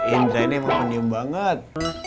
indra ini emang pendiem banget